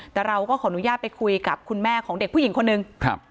แต่เราก็ขออนุญาตไปคุยกับคุณแม่ของเด็กผู้หญิงคนหนึ่งครับ